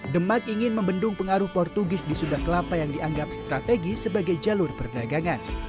demak ingin membendung pengaruh portugis di sunda kelapa yang dianggap strategis sebagai jalur perdagangan